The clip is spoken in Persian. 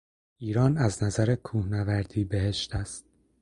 ایران از نظر کوه نوردی بهشت است.